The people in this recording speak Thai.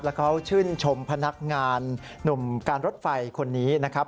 แล้วเขาชื่นชมพนักงานหนุ่มการรถไฟคนนี้นะครับ